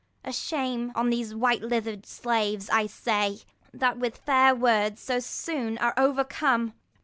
A shame on these white liver'd slaves, say I, That with fair words so soon are overcome.